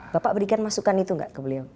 bapak berikan masukan itu nggak ke beliau